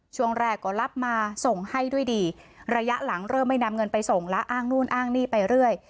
ช่วงแรกก็รับมาส่งให้ด้วยดีระยะหลังเริ่มไม่นำเงินไปส่งแล้วอ้างนู่นอ้างนี่ไปเรื่อย